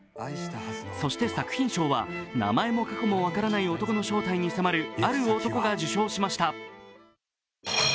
そして作品賞は名前も過去も分からない男の正体に迫る「ある男」が受賞しました。